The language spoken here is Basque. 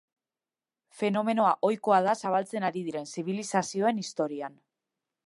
Fenomenoa ohikoa da zabaltzen ari diren zibilizazioen historian.